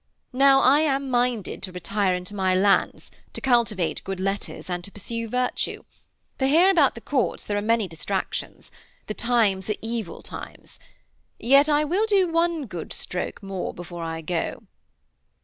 Now I am minded to retire into my lands, to cultivate good letters and to pursue virtue. For here about the Courts there are many distractions. The times are evil times. Yet will I do one good stroke more before I go.'